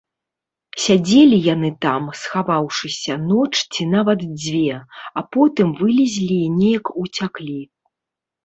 Сядзелі яны там, схаваўшыся, ноч ці нават дзве, а потым вылезлі і неяк уцяклі.